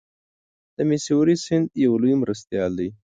د میسوری سیند یو لوی مرستیال دی.